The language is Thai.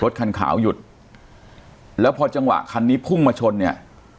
คันขาวหยุดแล้วพอจังหวะคันนี้พุ่งมาชนเนี่ย